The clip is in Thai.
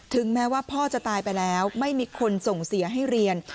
แม้ว่าพ่อจะตายไปแล้วไม่มีคนส่งเสียให้เรียน